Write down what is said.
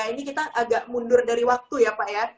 ini kita agak mundur dari waktu ya pak ya